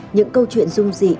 những câu chuyện dung dị